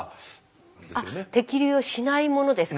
あ摘粒をしないものですか。